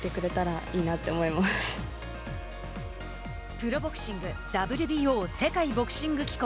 プロボクシングＷＢＯ＝世界ボクシング機構。